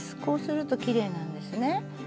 こうするときれいなんですね。